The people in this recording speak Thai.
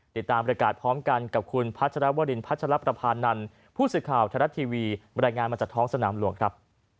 ติดตามบริการพร้อมกันกับคุณพัชรวรินพัชรประพานันผู้สื่อข่าวทรัฐทีวีบรรยายงานมาจากท้องสนามหลวงครับ